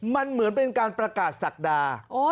มันเหมือนเป็นการประกาศศักดา